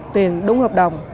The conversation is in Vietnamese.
tiền đúng hợp đồng